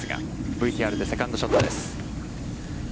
ＶＴＲでセカンドショットです。